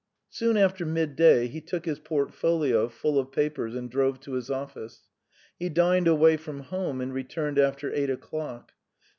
Soon after midday he took his portfolio, full of papers, and drove to his office. He dined away from home and returned after eight o'clock.